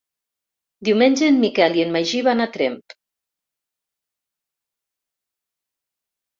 Diumenge en Miquel i en Magí van a Tremp.